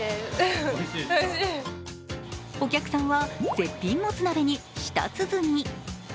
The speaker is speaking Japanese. お客さんは絶品もつ鍋に舌鼓。